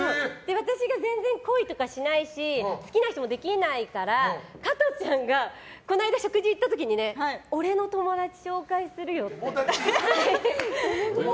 私が全然、恋とかしないし好きな人もできないから加トちゃんがこの間、食事に行った時にね俺の友達紹介するよって。